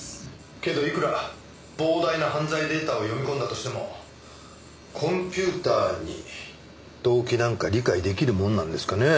けどいくら膨大な犯罪データを読み込んだとしてもコンピューターに動機なんか理解出来るものなんですかね？